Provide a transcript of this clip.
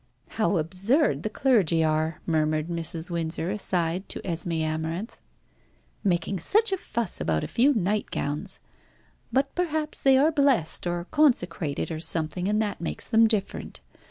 "How absurd the clergy are!" murmured Mrs. Windsor aside to Esmé Amarinth. "Making such a fuss about a few nightgowns. But perhaps they are blessed, or consecrated, or something, and that makes them different.